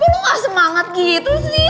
lu gak semangat gitu sih